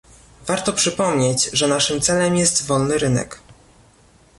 Warto przypomnieć, że naszym celem jest wolny rynek